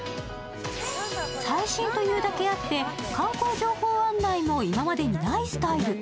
最新というだけあって観光情報案内も今までにないスタイル。